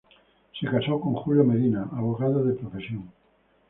Se casó con Julio Medina, abogado de profesión.